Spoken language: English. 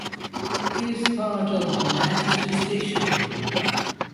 It is part of the Manchester station group.